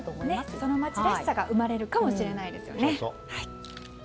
その町らしさが生まれるかもしれないですよね。